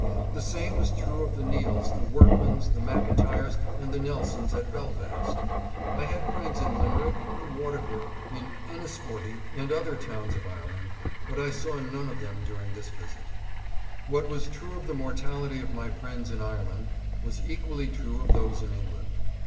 The same was true of the Neals, the Workmans, the Mclntyres, and the Nelsons at Belfast. I had friends in Limerick, in Waterford, in Eniscorthy, and other towns of Ireland, but I saw none of them during this visit. What was true of the mortality of my friends in Ireland, was equally true of those in England.